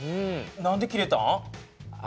何で切れたん？